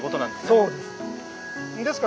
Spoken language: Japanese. そうです。